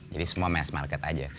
jadi semua mass market aja